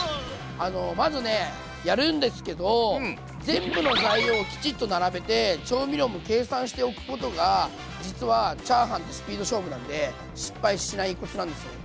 全部の材料をきちっと並べて調味料も計算しておくことが実はチャーハンってスピード勝負なんで失敗しないコツなんですよ。